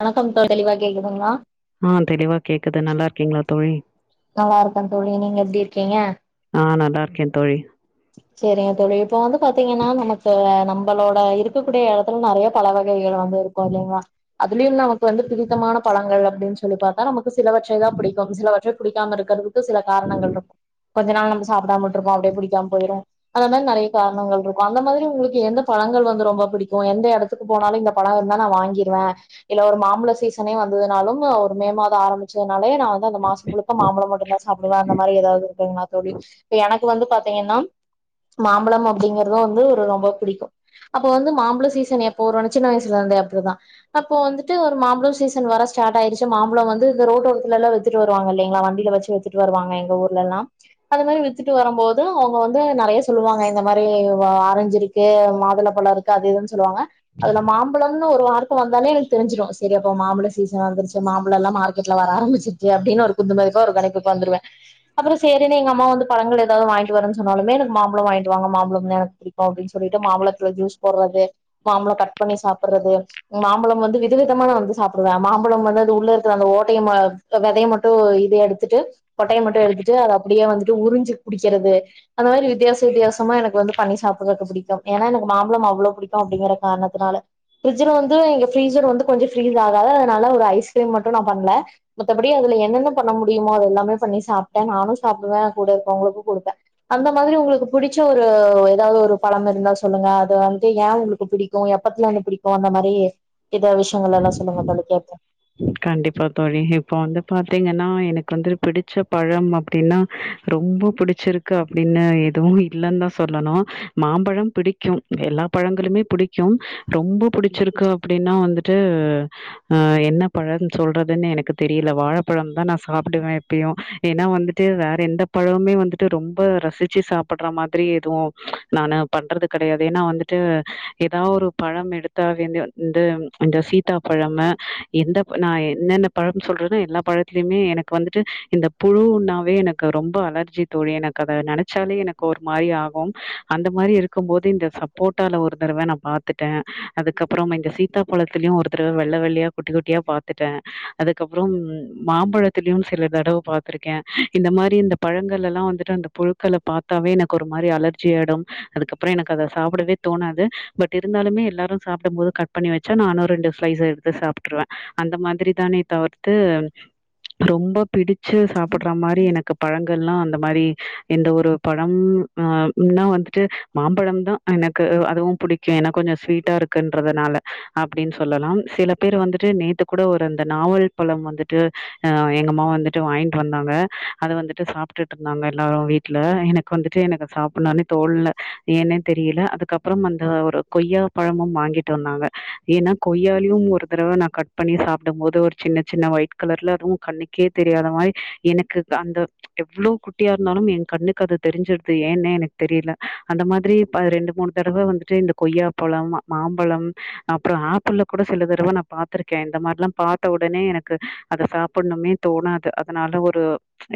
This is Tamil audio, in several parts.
வணக்கம் தோழி தெளிவா கேக்குதுங்களா ஆ தெளிவா கேக்குது நல்லாருக்கிங்ல தோழி நல்லாருக்க தோழி நீங்க எப்டி இருக்கிங்க நா நல்லாருக்க தோழி செரிங்க தோழி இப்போ வந்து பாத்தீங்கன்னா நமக்கு நம்பளோட இருக்கக்கூடிய எடத்துல நறைய பல வகைகள் வந்து இருக்கும் இல்லிங்ளா அதுலயு நமக்கு வந்து பிடித்தமான பழங்கள் அப்டின்னு சொல்லி பாத்தா நமக் ஒரு சிலவற்றை தா புடிக்கும் சில வற்று புடிக்காம இருக்கறதுக்கு‌ சில காரணங்கள் இருக்கு கொஞ்ச நாள் நம்ம சாப்டாம‌ விட்ருபோ அப்டே பிடிக்காம போய்ரும் அந்த மாரி நறைய காரணங்கள் இருக்கும் அந்த மாரி உங்களுக்கு எந்த பழங்கள் வந்து ரொம்ப புடிக்கும் எந்த எடத்துக்கு போனாலும் இந்த பழம் இருந்தா நா வாங்கிருவ இல்ல ஒரு மாம்பலம் சீசனே வந்ததுனாலும் ஒரு மே மாதம் ஆரம்பிச்சனாலு இதே‌ நா வந்து அந்த மாச முழுக்க மாம்பழம் மட்டும் தா சாப்டுவ அந்த மாரி ஏதாவது இருக்குங்லா தோழி இப்ப எனக் கு வந்து பாத்தீங்கனம் மாம்பழம் அப்டிங்கறது வந்து ஒரு ரொம்ப புடிக்கும் அப்ப வந்து மாம்பழ சீசன் எப்ப வரும்னு சின்ன வயசுல இருந்தே அப்டிதா அப்போ வந்துட்டு ஒரு மாம்பழோ சீசன் வர ஸ்டார்ட் ஆயிடுச்சு மாம்ழோ வந்து இந்த ரோட்டோரத்துல எல்லா வித்துட்டு வருவாங்க இல்லிங்ளா வண்டில வச்சு வித்துட்டு வருவாங்க எங்க ஊர்லலாம் அந்த மாரி வித்துட்டு வரம் போதும் அவுங்க வந் இது நறைய சொல்லுவாங்க இந்த மாரி வா ஆரஞ்சுருக்கு மாதுளப்பழோ இருக்கு அது இதுன் சொல்லுவாங்க அதுல மாம்பழோனு ஒரு வார்த்த ப்ப வந்தாலே எனக்கு தெரிஞ்சிரும் சரி அப்போ மாம்பழ சீசன் வந்துருச்சு மாம்பழம் எல்லா மார்கெட்ல வர ஆரம்பிச்சிருச்சு அப்பிடின்னு ஒரு குத்து மதிப்பா ஒரு கணக்கு வந்துவே அப்பறோ சேரினு எங்க அம்மா வந்து பழங்கள் ஏதாவுது வாங்கிட்டு வரேன் சொன்னாலுமே எனக்கு மாம்பழம் வாங்கிட்டு வாங்க மாம்பழம் தா எனக்கு புடிக்கும் அப்பிடின்னு சொல்லிட்டு மாம்பழத்துல ஜூஸ் போடுறது மாம்பழம் கட் பண்ணி சாப்புறது மாம்பழம் வந்து வித விதமா நா வந்து சாப்புடுவேன் மாம்பழம் வந்து அது உள்ள இருக்க அந்த ஓட்டைய வெதைய மட்டு இது எடுத்துட்டு கொட்டைய மட்டு எடுத்துட்டு அத அப்டியே வந்துட்டு உறிஞ்சு குடிக்கறது அந்த மாரி வித்தியாச வித்தியாசமா எனக் வந்து பண்ணி சாப்புறதுக்கு புடிக்கும் ஏன்னா எனக்கு மாம்பழம் அவ்ளோ புடிக்கும் அப்டிங்கற காரணத்துனால ஃப்ரிட்ஜ்ல வந்து எங்க ஃப்ரீஸர் வந்து கொஞ்ச ஃப்ரீஸ் ஆகாது அதுனால ஒரு ஐஸ்கிரீம் மட்டு நா பண்ணல மத்தபடி அதுல என்னென்ன பண்ண முடியுமோ அது எல்லாமே பண்ணி சாப்டேன் நானு சாப்புடுவேன் கூட இருக்கிறவங்களுக்கு குடுப்பேன் அந்த மாதிரி உங்களுக்கு புடிச்ச ஒரு ஏதாவுது ஒரு பழம் இருந்தா சொல்லுங்க அது வந்து ஏ உங்களுக்கு புடிக்கும் எப்பத்துல இருந்து புடிக்கும் அந்த மாரி இத விஷயங்கள் எல்லா சொல்லுங்க தோழி கேப்போம் கண்டிப்பா தோழி இப்போ வந்து பாத்தீங்கன்னா எனக்கு வந்து பிடிச்ச பழம் அப்டின்னா ரொம்ப புடிச்சிருக்கு அப்டின்னு எதுவு இல்லன் தா சொல்லணு மாம்பழம் புடிக்கும் எல்லா பழங்களுமே புடிக்கும் ரொம்ப பிடிச்சிருக்கு அப்டின்னா வந்துட்டு ஆ என்ன பழம்னு சொல்றதுன் எனக்கு தெரியல வாழைப்பழம் தா நா சாப்புடுவேன் எப்பயு ஏன்னா வந்துட்டு வேற எந்த பழமுமே வந்துட்டு ரொம்ப ரசிச்சு சாப்புற மாதிரி எதுவு நானு பண்றது கெடையாது ஏன்னா வந்துட்டு ஏதாவுது ஒரு பழம் எடுத்த இந்த சீதா பழம் எந்த நா என்னென்ன பழம்னு சொல்றேன்னா எல்லா பழத்துலயுமே எனக்கு வந்துட்டு இந்த புழுன்னாவே எனக்கு ரொம்ப அலர்ஜி தோழி எனக்கு அத நெனைச்சாலே எனக்கு ஒரு மாரி ஆகும் அந்த மாரி இருக்கும் போது இந்த சப்போட்டால ஒரு தடவ நா பாத்துட்டேன் அதுக்கப்புறம் இந்த சீத்தா பழத்துலயும் ஒரு தடவை வெள்ள வெள்ளயா குட்டி குட்டியா பாத்துட்டேன் அதுக்கப்புற மாம்பழத்துலயு சில தடவை பாத்துருக்கேன் இந்த மாரி இந்த பழங்கள் எல்லா வந்துட்டு அந்த புழுக்களை பாத்தாவே எனக்கு ஒரு மாதிரி அலர்ஜி ஆயிடும் அதுக்கப்புற எனக்கு அத சாப்டவே தோனாது பட் இருந்தாலுமே எல்லாரும் சாப்டும் போது கட் பண்ணி வச்சா நானு ரெண்டு ஸ்லைஸ் எடுத்து சாப் ருவேன் அந்த மாதிரி தானே தவிர்த்து ரொம்ப பிடிச்ச சாப்புற மாரி எனக்கு பழங்கள்லா இந்த மாரி இந்த ஒரு பழம் ஹ நா வந்துட்டு மாம்பழம் தா எனக்கு அதுவும் புடிக்கும் என்னா கொஞ்ச ஸ்வீட்டா இருக்குன்றதுனால அப்டின்னு சொல்லலாம் சில பேர் வந்துட்டு நேத்து கூட ஒரு அந்த நாவல் பழம் வந்துட்டு அ எங்க அம்மா வாங்கிட் வந்தாங்க அது வந்துட்டு சாப்டுட்டு இருந்தாங்க எல்லாரும் வீட்ல எனக்கு வந்துட்டு எனக்கு சாப்புணுன் தோணல ஏன்னே தெரியல அதுக்கப்பறம் அந்த ஒரு கொய்யா பழமும் வாங்கிட்டு வந்தாங்க ஏன்னா கொய்யாலயும் ஒரு ஒரு தடவ நா கட் பண்ணி சாப்டும் போது ஒரு சின்ன சின்ன ஒயிட் கலர்ல அதுவு கண்ணுக்கே தெரியாத மாரி எனுக்கு அந்த எவ்ளோ குட்டியா இருந்தாலு என் கண்ணுக்கு அது தெரிஞ்சுடுது ஏன்னே எனக்கு தெரியல அந்த மாரி ரெண்டு மூணு தடவ வந்துட்டு இந்த கொய்யாப்பழம் மாம்பழம் அப்புற ஆப்பிள்ல கூட சில தடவ நா பாத்துருக்கேன் இந்த மாரிலாம் பாத்த ஒடனே எனக்கு அத சாப்பின்னுமே தோணாது அதுனால ஒரு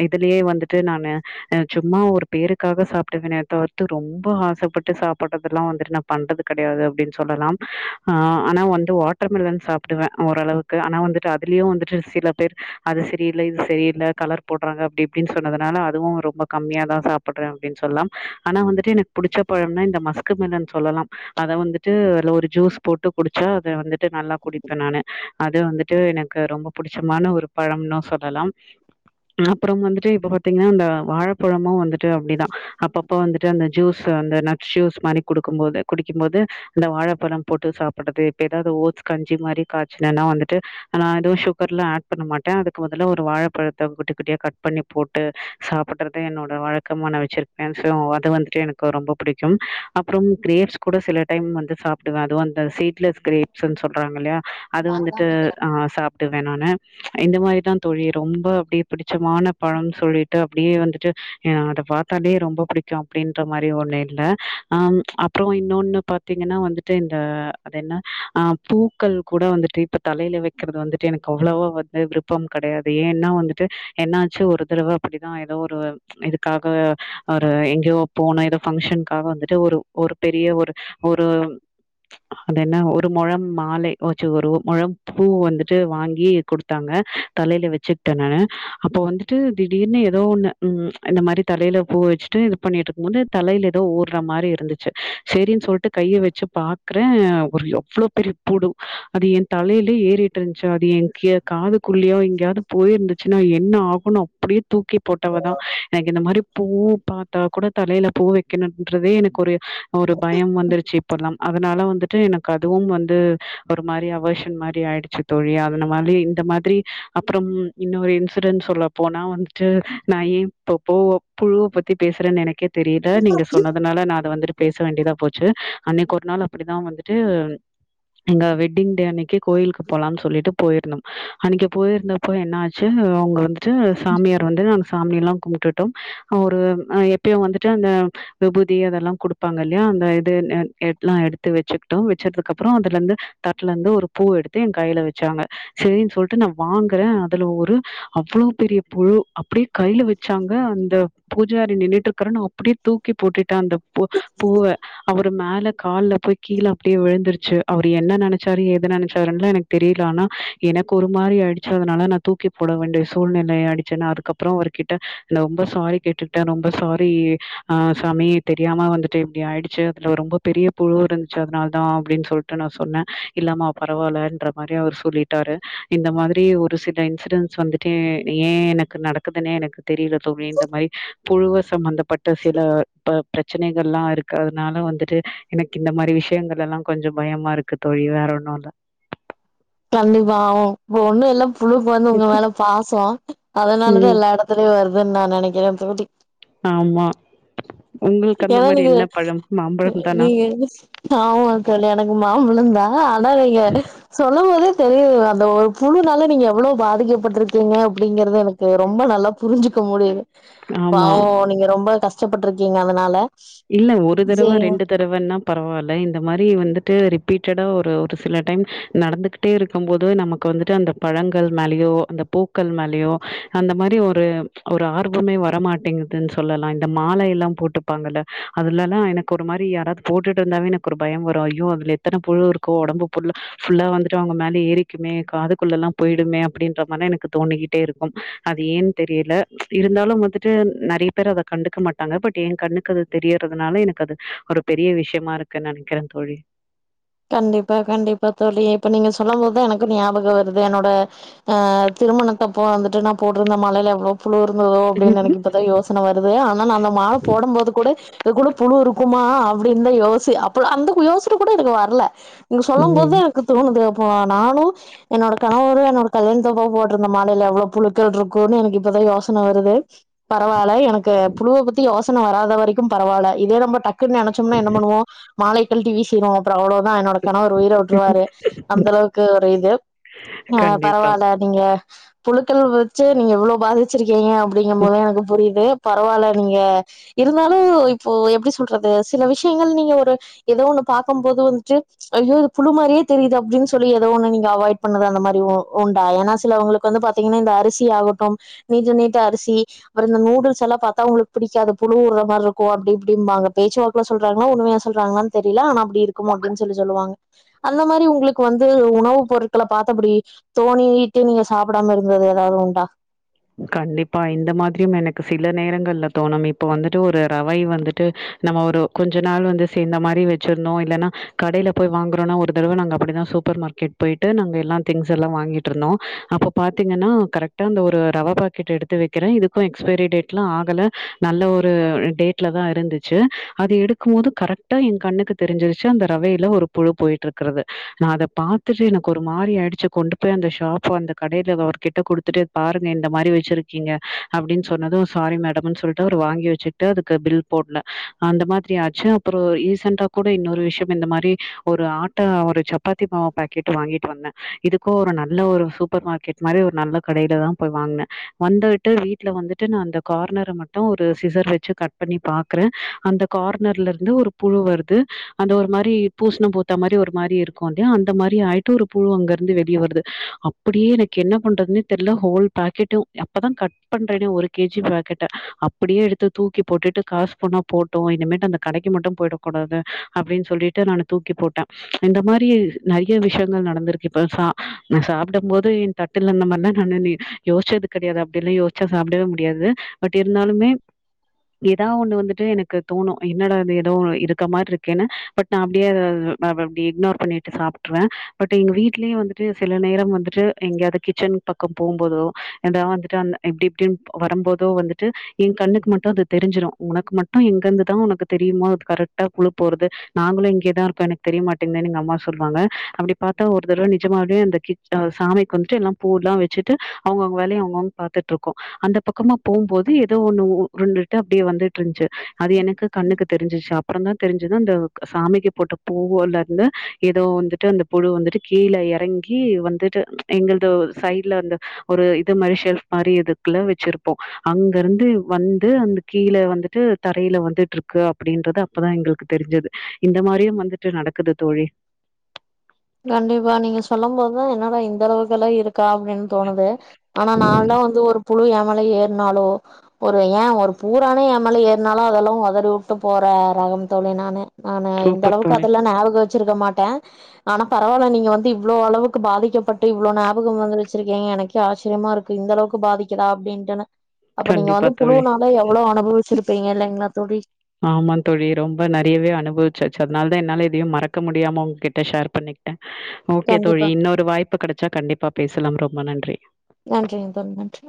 இதுலயே வந்துட்டு நானு சும்மா ஒரு பேருக்காக சாப்டுவேனே தவிர்த்து ரொம்ப ஆசப்பட்டு சாப்புறதுலாம் வந்துட்டு நா பண்றது கெடையாது அப்டின் சொல்லலாம் ஆ ஆனா வந்து வாட்டர் மெலன் புடுவேன் ஓரளவுக்கு ஆனா வந்துட்டு அதுலயும் வந்துட்டு சில பேர் அது சரியில்ல இது சரியில்ல கலர் போடுறாங்க அப்டி இப்டின் சொன்னதுனால அதுவும் ரொம்ப கம்மியா தா சாப்புடுறேன் அப்டின்னு சொல்லலாம் ஆனா வந்துட்டு எனக்கு புடிச்ச பழம்னா இந்த மஸ்கு மெலன்னு சொல்லலாம் அத வந்துட்டு அதுல ஒரு ஜூஸ் போட்டு குடிச்சா அத வந்து டு நல்லா குடி அது வந்துட்டு எனக்கு ரொம்ப புடிச்சமான ஒரு பழம்னு சொல்லலாம் அப்புற வந்துட்டு இப்ப பாத்தீங்கன்னா அந்த வாழைப்பழமும் வந்துட்டு அப்டிதான் அப்பப்போ வந்துட்டு அந்த ஜூஸ் அந்த நட் ஜூஸ் மாரி குடுக்கும்பது குடிக்கும்போது அந்த வாழைப்பழம் போட்டு சாப்புறது இப்ப ஏதாவுது ஓட்ஸ் கஞ் சி மாரி காய்ச்சின்னா வந்துட்டு நா எதுவும் சுகர்லாம் அட் பண்ண மாட்டேன் அதுக்கு பதிலா ஒரு வாழைப்பழத்த குட்டி குட்டியா கட் பண்ணி போட்டு சாப்புறது என்னோட வழக்கமா நா வச்சிருப்பேன் சோ அது வந்துட்டு எனக்கு ரொம்ப புடிக்கும் அப்புறம் கிரேப்ஸ் கூட சில டைம் வந்து சாப்புடுவேன் அதுவ சீட் லெஸ் கிரேப்ஸ்னு சொல் அது வந்துட்டு ஆ சாப்புடுவேன் நானு இந்த மாரிதான் தோழி ரொம்ப அப்டி புடிச்சமான பழம்னு சொல்லிட்டு அப்டியே வந்துட்டு அத பாத்தாலே ரொம்ப புடிக்கும் அப்டின்ற மாரி ஒண்ணு இல்ல அ அப்றோ இன்னோன் பாத்தீங்கன்னா வந்துட்டு இந்த அது என்ன ஆ பூக்கள் கூட வந்துட்டு இப்ப தலைல வைக்கறது வந்துட்டு எனக்கு அவ்ளோவா வந்து விரு ப்பம் கெடையாது ஏன்னா வந்துட்டு என்னாச்சு ஒரு தடவ அப்டிதா ஏதோ ஒரு இதுக்காக ஒரு எங்கேயோ போன ஏதோ பங்க்ஷனுக்காக வந்துட்டு ஒரு ஒரு பெரிய ஒரு ஒரு அது என்ன ஒரு மொழம் மாலை வச்சு ஒரு மொழம் பூ வந்துட்டு வாங்கி குடுத் தாங்க தலைல வச்சுகிட்டேன் நானு அப்போ வந்துட்டு திடீர்னு ஏதோ ஒண்ணு ம் இந்த மாரி தலைல பூ வச்சுட்டு இது பண்ணிட்டு இருக்கும் போது தலைல ஏதோ ஓடுற மாரி இருந்துச்சு சரின்னு சொல்டு கைய வச்சு பாக்றே ஒரு அவ்ளோ பெரிய புழு அது என் தலையிலே ஏறிட்டு அது எங்கியோ காதுக்குள்ளயோ எங்கேயாது போயி இருந்துச்சுனா என்ன ஆகுன் அப்டியே தூக்கி போட்டவதா எனக்கு இந்த மாரி பூ பாத் ட கூட தலையில பூ வைக்கணுன்றதே எனக்கொரு ஒரு பயம் வந்துருச்சி இப்பல்லாம் அதனால வந்து ட்டு எனக்கு அதுவும் வந்து ஒரு மாரி அபாஷன் மாரி ஆயிடுச்சி தோழி அதன மாதிரி இந்த மாதிரி அப்புறம் இன்னொரு இன்சிடென்ஸ் சொல்ல போனா வந்துட்டு நான் ஏன் இப்பப்போ புழுவ பத்தி பேசறேன் எனக்கே தெரியில நீங்க சொன்னதுனால நான் அத வந்துட்டு பேச வேண்டியதா போச் சி அன்னைக்கு ஒரு நாள் அப்டிதான் வந்துட்டு எங்க வெட்டிங் டே அன்னைக்கு கோயிலுக்கு போலாம் சொல்லிட்டு போயிருந்தோம் அன்னைக்கு போயிருந்தப்போ என்ன ஆச்சி அவுங்க வந்துட்டு சாமியார் வந்து நாங்க சாமி எல்லாம் கும்பிட்டுட்டோம் அவரு எப்பயும் வந்துட்டு அந்த விபூதி அதெல்லாம் குடுப்பாங்க இல்லையா அந்த இது எ எல்லாம் எடுத்து வச்சிக்கிட்டோம் வச்சதுக்கு அப்புறம் அ துலந்து தட்ல இருந்து ஒரு பூ எடுத்து என் கையில வச்சாங்க சரின்னு சொல்லிட்டு நான் வாங்கறேன் அதுல ஒரு அவ்ளோ பெரிய புழு அப்டே கையில வச்சாங்க அந்த பூஜாரி நின்னுட்டு இருக்கற நா அப்டே தூக்கி போட்டுட்டேன் அந்த பூ பூவ அவரு மேல கால்ல போய் கீழே அப்படியே விழுந்துருச்சி அவரு என்ன நெனச்சாரு ஏது நெனைச்சாருன்னல எனக்கு தெரியல ஆனா எனக்கு ஒரு மாரி ஆயிடுச்சி அதுனால நான் தூக்கி போட வேண்டிய சூழ்நிலைய ஆயிடுச்சி நா அதுக்கப்புறம் அவர் கிட்ட ரொம்ப சாரி கேட்டுக்கிட்டன் ரொம்ப சாரி ஆ சாமி தெரியாம வந்துட்டு இப்படி ஆயிடுச்சி அதுல ரொம்ப பெரிய புழு இருந்துச்சி அதனால் தா அப்டின்னு சொல் ட்ட நா சொன்னேன் இல்லமா பரவால்லன்ற மாரி அவரு சொல்லிட்டாரு இந்த மாதிரி ஒரு சில இன்சிடன்ஸ் வந்துட்டு ஏன் எனக்கு நடக்குதுன்னே எனக்கு தெரில தோழி இந்த மாரி புழுவ சம்பந்த பட்ட சில இப்ப பிரச்சனைகள்லாம் இருக்கு அதனால வந்துட்டு எனக்கு இந்த மாரி விஷியங்கள் எல்லாம் கொஞ்சம் பயமா இருக்கு தோழி வேற ஒன்னும் இல்ல கண்டிப்பா ஆய்வு இப்ப ஒண்ணு ல்ல புழுக்கு வந்து உங்க மேல பாசோம் அதனால தா ம் எல்லா எடத்துலயும் வருது அதா நா நெனைக்கிறே தோழி ஆமா உங்களுக்கு அந்த ஏன்னா மாரி நீங்க என்ன பழம் மாம்பழம் தானா நீங்க ஆமா தோழி எனக்கு மாம்பழம் தான் ஆனா நீங்க சொ ல்லும் போதே தெரியுது அந்த ஒரு புழுனால நீங்க எவ்ளோ பாதிக்கப்பட்டுருக்கீங்க அப்படிங்கிறது எனக்கு ரொம்ப நல்லா புரிஞ்சிக்க முடியுது ஆமா பாவம் நீங்க ரொம்ப க ஷ்டப்பட்டுருக்கீங்க அதனால இல்ல ஒரு தடவ சேரிங்க ரெண்டு தடவன்னா பரவாயில்ல இந்த மாரி வந்துட்டு ரிப் பீட்டடா ஒரு ஒரு சில டைம் நடந்துகிட்டே இருக்கம்போது நமக்கு வந்துட்டு அந்த பழங்கள் மேலயோ அந்த பூக்கள் மேலேயோ அந்த மாரி ஒரு ஒரு ஆர்வமே வரமாட்டேங்குதுன் சொல்லலாம் இந்த மால எல்லாம் போட்டுப்பாங்க இல்ல அதுலல்லாம் எனக்கு ஒரு மாரி யாராவது போட்டுட்டு இருந்தாவே எனக்கு ஒரு பயம் வரும் ஐயோ அதுல எத்தன புழு இருக்கோ ஒடம்பு புல்லா ஃபுல்லா வந்துட்டு அவுங்க மேல ஏறிக்குமே காதுக்குள்ளலாம் போயிடுமே அப்டின்ற மாரிலா எனக்கு தோணிகிட்டே இருக்கும் அது ஏன் தெரியல இருந்தாலும் வந்துட்டு நெறையா பேர் அதை கண்டுக்க மாட்டாங்க பட் ஏ கண்ணுக்கு அது தெரியறதுனால எனக்கு அது ஒரு பெரிய விஷியமா இருக்குன்னு நெனக்கிறேன் தோழி கண்டிப்பா கண்டிப்பா தோழி இப்ப நீங்க சொல்லம் போதுதா எனக்கும் ஞாபகம் வருது என்னோட ஆ திருமணத்த அப்போ வந்துட்டு நா போட்டுருந்த மாலையில எவ்ளோ புழு இருந்ததோ அப்டின்னு எனக்கு இப்பதான் யோசன வருது ஆனா நா அந்த மால போடம் போது கூட இத கூட புழு இருக்குமா அப்டின்தா யோசி அப்பறோ அந்த யோசன கூட எனக்கு வர ல்ல நீங்க சொல்லம் போது எனக்கு தோணுது நானும் என்னோட கணவரும் என்னோட கல்யாணத்துப்போ போட்டிருந்த மாலையில எவ்வுளோ புழுக்கள் இருக்கும்னு எனக்கு இப்பதான் யோசனை வருது பரவாயில்ல எனக்கு புழுவ பத்தி யோசனை வராத வரைக்கும் பரவாயில்ல இதே ரொம்பட் டுன்னு நினைச்சோம்னா என்ன பண்ணுவோம் மாலை கழிட்டி வீசிறுவோம் எவ்ளோ நான் என்னோட கணவர் ஒரு உயிரை விட், ருவாரு அந்த ம் அளவுக்கு ஒரு இது ஆ பரவாயில்ல கண்டிப்பா நீங்க புழுக்கள் வச்சு நீங்க இவ்ளோ பாதிச்சிருக் கீங்க அப்டிங்க போது எனக்கு புரியுது பரவால்ல நீங்க இருதாலும் இப்ப எப்டி சொல்றது சில விஷங்கள் நீங்க ஒரு ஏதோ ஒன்னு பாக் கும் போது வந்துட்டு ஐயோ இது புழு மாரியே தெரியது அப்டினு சொல்லி ஏதோ ஒன்னு நீங்க அவாய்ட் பண்ணது அந்த மாரி உண்டா ஏனா சில அவுங்களுக்கு வந்து பாதீங்கனா இந்த அரிசி ஆகட்டும் நீட்ட நீட்ட அரிசி அப்புறம் இந்த நூடுல்ஸ்லா பாத்தா உங்களுக்கு புடிகாது புழுஊடுற மாரி இருக்கும் அப்டி இப்டிபாங்க பேசுவாக்குல சொல்றாங்களா உண்மைய சொல்றாங்களான்னு தெரியல ஆனா அப்டி இருக்குமோ அப்டின்னு சொல்லி சொலுவாங்க அந்த மாரி உங்களுக்கு வந்து உணவு பொருட்கள பாத்து அப்டி தோனிட்டு நீங்க சாபிடாம இருந்தது ஏதாது உண்டா கண்டிப்பா இந்த மாதிரி எனக்கு சில நேரங்கள்ல தோனும் இப்ப வந்துட்டு ஒரு ரவை வந்துட்டு நம்ம ஒரு கொஞ்ச நாள் வந்து சேர்ந்த மாரி வசிருந்தோம் இல்லனா கடையில போய் வாங்குறோம்னா ஒரு தடவ நாங்க அப்படிதான் சூபர் மார்கெட் போய்ட்டு நாங்கலாம் திங்ஸ்லாம் வாங்கிட்டு இருந்தோம் அப்ப பாத்தீங்கனா கரெக்ட்டா அந்த ஒரு ரவ பாக்கெட் எடுத்து வக்கிறேன் எதுக்கும் எக்ஸ்பியர் டேட்லாம் ஆகல நல்ல ஒரு டேட்ல தான் இருந்துச்சு அது எடுக்கும் போது கரெக்ட்டா என் கண்ணுக்கு தெரிஞ்சுரிச்சு அந்த ரவயில ஒரு புழு போய்ட்டு இருக்கிறது நான்அத பாத்துட்டு எனக்கு ஒரு மாரி ஆச்சு கொண்டு போய் அந்த ஷாப் அந்த கடையில அவர் கிட்ட குடுதுட்டு பாருங் இந்த மாரி வச்சிருக்கீங்க அப்டினு சொன்னதும் சாரி மேடம்ன்னு சொல்ட்டு அவரு வாங்கி வச்சுட்டு அதுக்கு பில் போடல அந்த மாரி ஆச்சு அப்புறோம் ரீசண்டா கூட இன்னொரு விஷயம் இந்த மாரி ஒரு ஆட்டா ஒரு சப்பாதி மாவூ பாக்கெட் வாங்கிட்டு வந்தேன் இதுக்கும் ஒரு நல்ல ஒரு சூப்பர் மார்கெட் மாரி ஒரு நல்ல கடையில தான் போய் வாங்னேன் வந்துட்டு வீட்ல வந்துட்டு நான் அந்த கார்னர்ல மட்டும் ஒரு சிசர் வச்சு கட் பண்ணி பாக்குறேன் அந்த கார்னர்ல இருந்து ஒரு புழு வருது அந்த ஒரு மாரி பூசண பூத்த மாரி ஒரு மாரி இருக்குலையா அந்த மாரி ஆயிட்டு ஒரு புழு அங்க இருந்து வெளிய வருது அப்டியே எனக்கு என்ன பண்றதுனே தெரியில ஹோல் பாக்கெட்டும் அப்பதான் கட் பண்றேனே ஒரு கே ஜி பாக்கெட்ட அப்டியே எடுத்து தூக்கி போட்டுட்டு காசு போனா போட்டும் இனிமே அந்த கடைக்கு மட்டும் போயிட கூடாது அப்டின்னு சொல்லிட்டு நான் தூக்கி போட்டேன் இந்த மாரி நெறைய விஷயங்கள் நடந்திருக்கு இப்ப நான் சாபிடும் போது என் தட்டுல இந்த மாரிதான் கணாடனே யோசிசச்து கெடையாது அப்டிலாம் யோசிச்சா சாபிடவே முடியாது பட் இருதாலுமே ஏதாது ஒன்னு வந்துட்டு எனக்கு தோனும் என்னடா அது ஏதோ இருக்க மாரி இருக்கேனு பட் நா அப்டியே அப்டி இக்னோர் பண்ணிட்டு சாபிடுருவேன் பட் எங்க வீட்லயே வந்துட்டு சில நேரம் வந்துட்டு எங்கயாவது கிச்சன் பக்கம் போபோதோ ஏதாது வந்துட்டு அந்த எப்டி இப்டின்னு வருபோதோ வந்துட்டு என் கண்ணுக்கு மட்டும் அது தெரிஞ்சிடும் உனக்கு மட்டும் எங்கிருந்துதான் உனக்கு தெரியுமோ அது கரெக்ட்டா புழு போறது நாங்களும் இங்கேதா இருக்கோம் எனக்கு தெரியமாடேங்குதேன்னு எங்க அம்மா சொலுவாங்க அப்டி பாத்தா ஒரு தடவ நிஜமாவே அந்த சாமிக்கு வந்துட்டு எல்லா பூ லாம் வச்சுட்டு அவுங்கவுங்க வேலைய அவுங்கவுங்க பாத்துட்டு இருக்கோம் அந்த பக்கமா போபோது ஏதோ ஒன்னு உருண்டுட்டு அப்டியே வந்துட்டு இந்துசாசு அது எனக்கு கண்ணுக்கு தெரிஞ்சிச்சு அப்புறோம் தான் தெரிஞ்சது அந்த சாமிக்கு போட்ட பூவுல இருந்து ஏதோ வந்துட்டு அந்த புழு வந்துட்டு கீழ இறங்கி வந்துட்டு எங்களது சைடுல வந்து ஒரு இது மாரி ஷெல்ப் மாரி இதுகுள்ள வச்சிருப்போம் அங்க இருந்து வந்து அந்த கீழ வந்துட்டு தரையில வந்துட்டுஇருக்கு அப்டின்றது அப்பதான் எங்களுக்கு தெரிஞ்சது இந்த மாரியும் வந்துட்டு நடக்குது தோழி கண்டிப்பா நீங்க சொல்லும் போதுதான் என்னடா இந்த அளவுக்குலா இருக் கா அப்டினு தோனுது ஆனா நாலாம் வந்து ஒரு புழு ஏன் மேல ஏறினாலோ ஒரு ஏன் ஒரு பூரானே ஏன் மேல ஏறினாலோ அதெலாம் ஒதறி வுட்டு போற ரகம் தோழி நானு ஆனா இந்த சூப்பர் அளவுக்கு தோழி அதெலாம் ஞாபகம் வச் சிருக்க மாட்டேன் ஆனா பரவால்ல நீங்க வந்து இவ்ளோ அளவுக்கு பாதிக்கபட்டு இவ்ளோ ஞாபகம் வந்து வச்சிருக்கீங்க எனக்கே ஆச்சரியமா இருக்கு இந்த அளவுக்கு பாதிக்கிதா அப்டின்ட்டுனு கண்டிப்பா தோழி அனுபவிச்சிருப்பீங்க இல்லைங்களா தோழி ஆமா தோழி ரொம்ப நறையவே அனுபவிச்சாசு அதனால என்னால எதையும் மறக்க முடியாம ஒன்கிட்ட ஷேர் பண்ணிகிட்டேன் ஓகே தோழி கண்டிப்பா. இன்னொரு வாய்ப்பு கெடைச்சா கண்டிப்பா பேசலாம் ரொம்ப நன்றி நன்றிங்க தோழி. நன்றி.